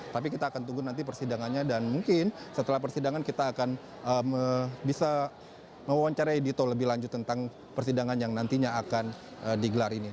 tapi kita akan tunggu nanti persidangannya dan mungkin setelah persidangan kita akan bisa mewawancarai dito lebih lanjut tentang persidangan yang nantinya akan digelar ini